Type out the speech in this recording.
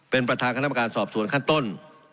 เป็นประธานคณะประการสอบสวนขั้นต้น